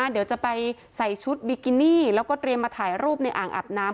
เดี๋ยวจะไปใส่ชุดบิกินี่แล้วก็เตรียมมาถ่ายรูปในอ่างอาบน้ำ